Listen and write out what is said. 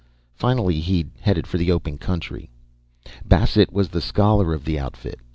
Finally, he'd headed for the open country. Bassett was the scholar of the outfit.